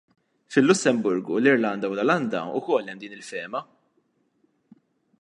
Fil-Lussemburgu, l-Irlanda u l-Olanda wkoll hemm din il-fehma.